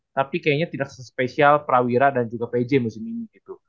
tapi kayaknya tidak sespesial prawira dan juga pj musim ini gitu